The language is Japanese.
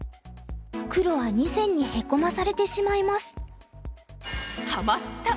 黒は２線にヘコまされてしまいます。